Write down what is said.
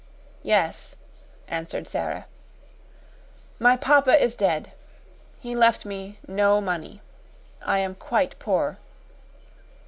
"Yes," answered Sara. "My papa is dead. He left me no money. I am quite poor."